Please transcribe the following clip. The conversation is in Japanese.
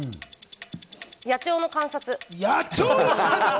野鳥の観察。